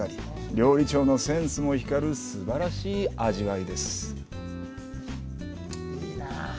料理長のセンスも光るすばらしい味わいです。